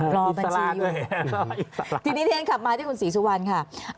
รอบัญชีอยู่ทีนี้ที่ฉันขับมาที่คุณศรีสุวรรณค่ะ